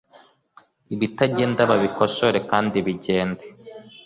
ibitagenda babikosore kandi bigende